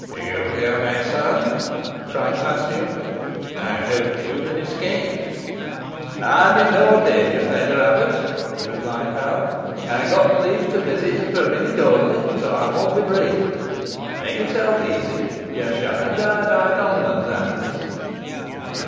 "You here, my son," cried Paslew. "I hoped you had escaped." "Ey'm i' nah dawnger, feyther abbut," replied Hal. "Ey'n getten leef to visit ye fo a minute only, so ey mun be brief. Mey yourself easy, ye shanna dee be't hongmon's honds."